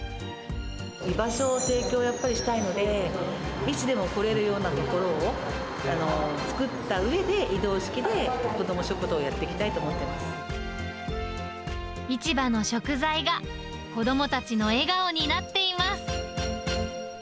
居場所をやっぱり提供したいので、いつでも来れるような所を作ったうえで、移動式で子ども食堂をや市場の食材が、子どもたちの笑顔になっています。